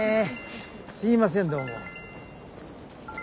すいませんどうも。